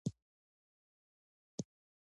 بیحي په کابل او لوګر کې کیږي.